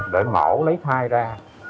để mổ lấy thai ra